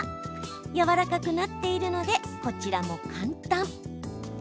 やわらかくなっているのでこちらも簡単。